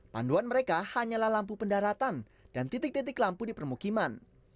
panduan mereka hanyalah lampu pendaratan dan titik titik lampu di permukiman